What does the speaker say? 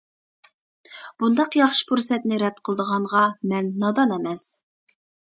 بۇنداق ياخشى پۇرسەتنى رەت قىلىدىغانغا مەن نادان ئەمەس.